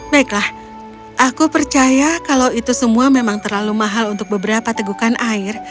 baiklah aku percaya kalau itu semua memang terlalu mahal untuk beberapa tegukan air